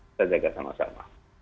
kita jaga sama sama